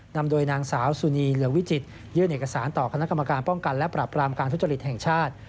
นำโดยนางสาวสุนีเหลืองวิจิตยื่นเอกสารต่อคณะกรรมการป้องกันและปรับรามการทุจริตแห่งชาติ